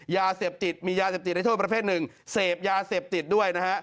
ยาเสพติดมียาเสพติดในโทษประเภทหนึ่งเสพยาเสพติดด้วยนะฮะ